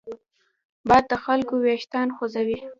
باد د خلکو وېښتان خوځوي